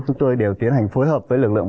chúng tôi đều tiến hành phối hợp với lực lượng